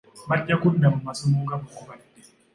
Bajja kudda mu masomo nga bwe gubadde.